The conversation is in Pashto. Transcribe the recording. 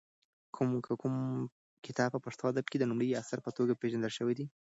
کوم کتاب په پښتو ادب کې د لومړي اثر په توګه پېژندل شوی دی؟